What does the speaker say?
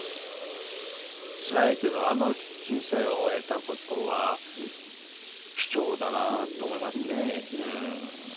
つらいけどあの震災を追えたことは貴重だなあと思いますね。